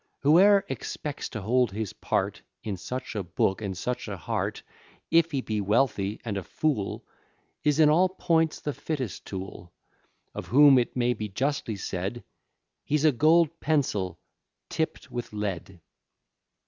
Whoe'er expects to hold his part In such a book, and such a heart, If he be wealthy, and a fool, Is in all points the fittest tool; Of whom it may be justly said, He's a gold pencil tipp'd with lead.